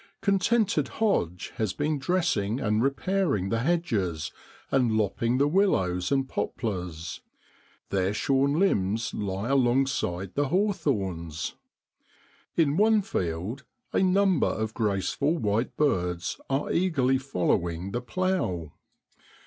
Contented Hodge has been dressing and repairing the hedges, and lopping the willows and poplars; their shorn limbs lie alongside the hawthorns. In one field a number of graceful white birds are eagerly following the plough.